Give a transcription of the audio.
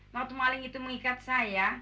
waktu maling itu mengikat saya